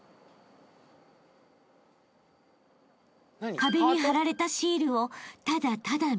［壁に貼られたシールをただただ見詰める］